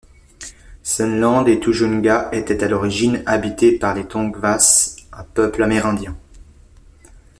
Sunland et Tujunga étaient à l'origine habités par les Tongvas, un peuple amérindien.